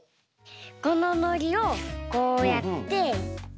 こののりをこうやって。